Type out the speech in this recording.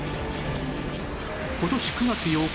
今年９月８日